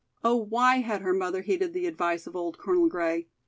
Oh, why had her mother heeded the advice of old Colonel Gray?